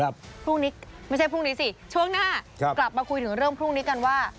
พรุ่งนี้ไม่ใช่พรุ่งนี้สิช่วงหน้ากลับมาคุยถึงเรื่องพรุ่งนี้กันว่า